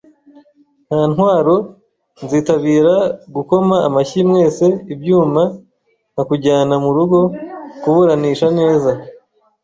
nta ntwaro, nzitabira gukoma amashyi mwese ibyuma nkakujyana murugo kuburanisha neza